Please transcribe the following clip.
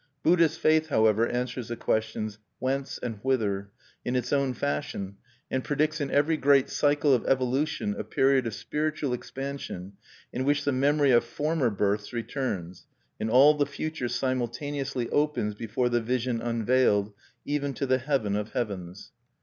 Buddhist faith, however, answers the questions "Whence?" and "Whither?" in its own fashion, and predicts in every great cycle of evolution a period of spiritual expansion in which the memory of former births returns, and all the future simultaneously opens before the vision unveiled, even to the heaven of heavens.